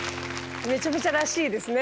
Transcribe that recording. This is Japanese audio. めちゃめちゃらしいですね。